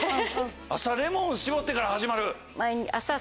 朝レモンを搾ってから始まる。